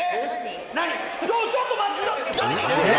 ちょっと待って。